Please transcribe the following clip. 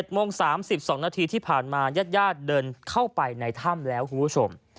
โมง๓๒นาทีที่ผ่านมาญาติเดินเข้าไปในถ้ำแล้วคุณผู้ชม